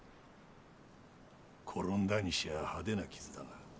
転んだにしちゃ派手な傷だが。